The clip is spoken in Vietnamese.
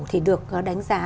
thì được đánh giá